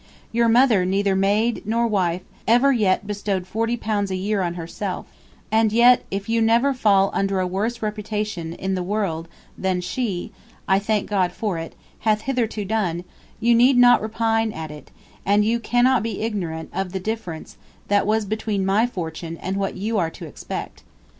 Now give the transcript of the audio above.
Yr Mother neither Maide nor wife ever yett bestowed forty pounds a yeare on herself & yett if you never fall undr a worse reputation in ye world thn she (I thank God for it) hath hitherto done, you need not repine at it, & you cannot be ignorant of ye difference tht was between my fortune & what you are to expect.